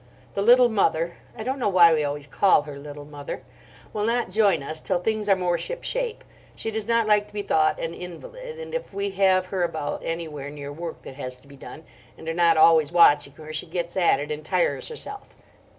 The Little Mother—I don't know why we always call her Little Mother—will not join us till things are more ship shape. She does not like to be thought an invalid, and if we have her about anywhere near work that has to be done, and are not always watching her, she gets at it and tires herself."